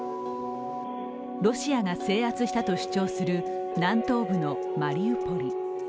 ロシアが制圧したと主張する南東部のマリウポリ。